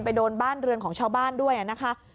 ไปโดนบ้านเรือนของเช้าบ้านด้วยอ่ะนะคะ